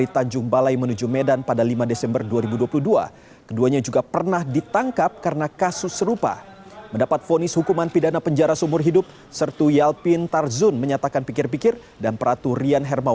tni menangis hingga berhenti